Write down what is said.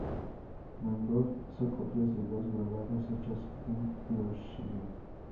Van Gogh hizo copias de dos grabados hechos en Hiroshige.